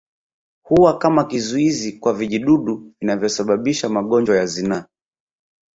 Huwa kama kizuizi kwa vijidudu vinavyosababisha magonjwa ya zinaa